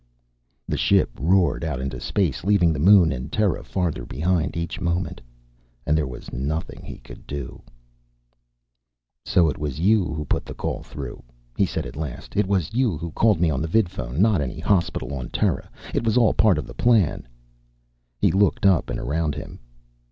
The ship roared out into space leaving the moon and Terra farther behind each moment. And there was nothing he could do. "So it was you who put the call through," he said at last. "It was you who called me on the vidphone, not any hospital on Terra. It was all part of the plan." He looked up and around him.